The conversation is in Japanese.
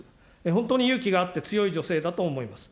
本当に勇気があって、強い女性だと思います。